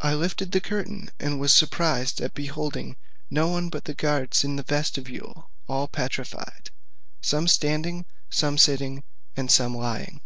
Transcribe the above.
I lifted up the curtain, and was surprised at beholding no one but the guards in the vestibule all petrified; some standing, some sitting, and some lying.